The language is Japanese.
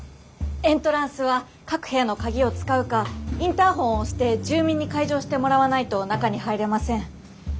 エントランスは各部屋の鍵を使うかインターホンを押して住民に解錠してもらわないと中に入れません。